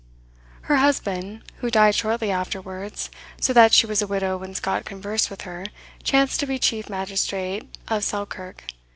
Her husband, who died shortly afterwards, so that she was a widow when Scott conversed with her, chanced to be chief magistrate of Selkirk.